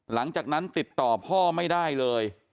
หลังจากนั้นติดต่อพ่อไม่ได้เลย